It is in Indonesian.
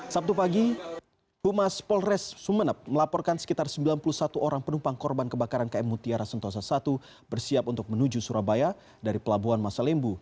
sabtu pagi humas polres sumeneb melaporkan sekitar sembilan puluh satu orang penumpang korban kebakaran km mutiara sentosa i bersiap untuk menuju surabaya dari pelabuhan masalembu